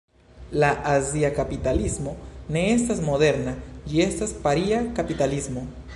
La azia kapitalismo ne estas moderna, ĝi estas paria kapitalismo.